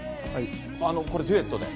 これデュエットで？